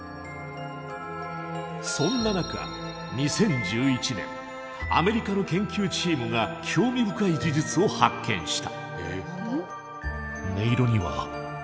そんな中２０１１年アメリカの研究チームが興味深い事実を発見した。